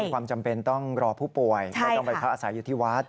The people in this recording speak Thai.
ความจำเป็นต้องรอผู้ป่วยก็ต้องไปพักอาศัยอยู่ที่วัด